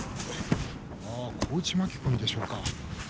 小内巻き込みでしょうか。